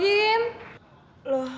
eh tunggu tunggu tunggu